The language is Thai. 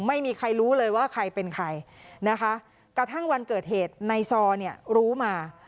ไม่มีใครรู้เลยว่าใครเป็นใครนะคะกระทั่งวันเกิดเหตุในซอเนี่ยรู้มา